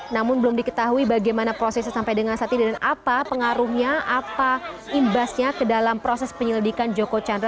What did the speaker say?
namun belum diketahui bagaimana prosesnya sampai dengan saat ini dan apa pengaruhnya apa imbasnya ke dalam proses penyelidikan joko chandra